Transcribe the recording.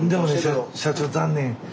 社長残念。